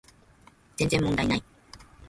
全然問題ない